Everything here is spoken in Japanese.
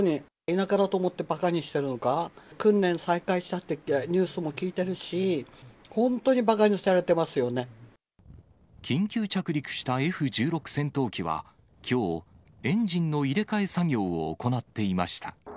田舎だと思ってばかにしてるのか、訓練再開したって、ニュースも聞いてるし、本当にばかにされてま緊急着陸したＦ１６戦闘機はきょう、エンジンの入れ替え作業を行っていました。